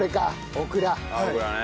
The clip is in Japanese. オクラね。